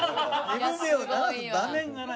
指笛を鳴らす場面がない。